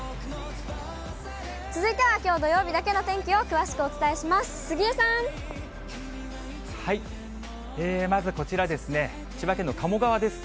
続いては、きょう土曜日だけの天気を詳しくお伝えします。